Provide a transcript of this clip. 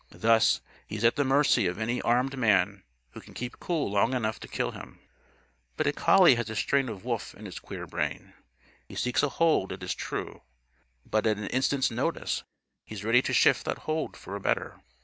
Thus, he is at the mercy of any armed man who can keep cool long enough to kill him. But a collie has a strain of wolf in his queer brain. He seeks a hold, it is true. But at an instant's notice, he is ready to shift that hold for a better.